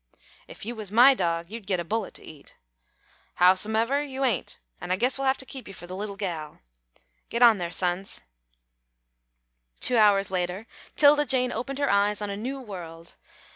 "If you was my dog, you'd get a bullet to eat. Howsomever, you ain't, an' I guess we'll hev to keep you for the leetle gal. Git on thar, sons." Two hours later, 'Tilda Jane opened her eyes on a new world.